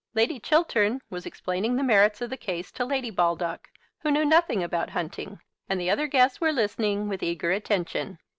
Lady Chiltern was explaining the merits of the case to Lady Baldock, who knew nothing about hunting; and the other guests were listening with eager attention.